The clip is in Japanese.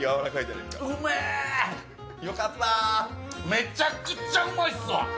めちゃくちゃうまいっすわ。